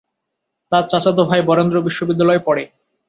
তার চাচাতো ভাই বরেন্দ্র বিশ্ববিদ্যালয়ে পড়ে।